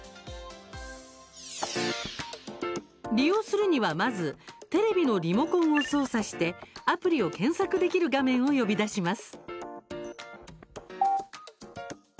利用するには、まずテレビのリモコンを操作してアプリを検索できる画面を呼び出します。